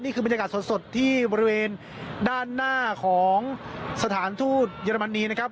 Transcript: บรรยากาศสดที่บริเวณด้านหน้าของสถานทูตเยอรมนีนะครับ